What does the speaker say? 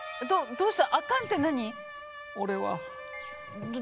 どうした？